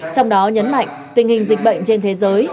trong đó nhấn mạnh tình hình dịch bệnh trên thế giới